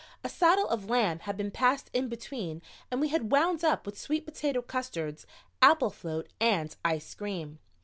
A saddle of lamb had been passed in between and we had wound up with sweet potato custards, apple float and ice cream.